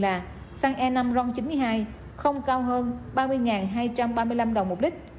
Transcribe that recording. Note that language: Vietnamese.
là xăng e năm ron chín mươi hai không cao hơn ba mươi hai trăm ba mươi năm đồng một lít